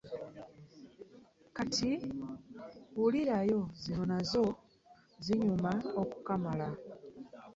Kati wulirayo zino nazo zinyuma okukamala .